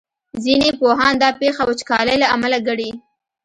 ځینې پوهان دا پېښه وچکالۍ له امله ګڼي.